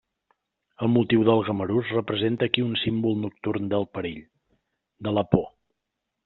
El motiu del gamarús representa aquí un símbol nocturn del perill, de la por.